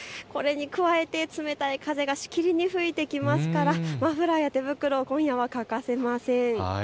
これに加えて冷たい風がしきりに吹いてきますからマフラーや手袋、今夜は欠かせません。